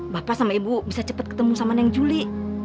bapak sama ibu bisa cepat ketemu sama neng juli